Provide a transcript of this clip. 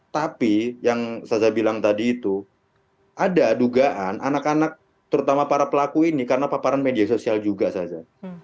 tapi yang saza bilang tadi itu ada dugaan anak anak terutama para pelaku ini karena paparan media sosial juga saza